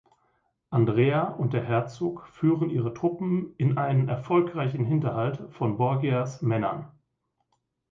Andrea und der Herzog führen ihre Truppen in einen erfolgreichen Hinterhalt von Borgias Männern.